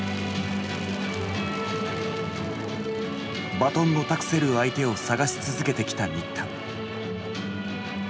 バトンを託せる相手を探し続けてきた新田。